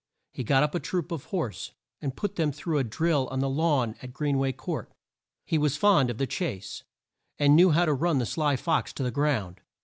He got up a troop of horse, and put them through a drill on the lawn at Green way Court. He was fond of the chase, and knew how to run the sly fox to the ground.